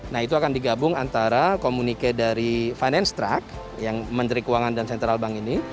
nah itu akan digabung antara komunike dari finance track yang menteri keuangan dan sentral bank ini